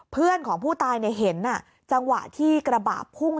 เพื่อนของผู้ตายเห็นจังหวะที่กระบะพุ่ง